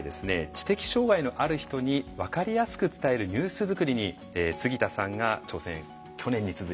知的障害のある人に分かりやすく伝えるニュース作りに杉田さんが挑戦去年に続いてしたんですよね。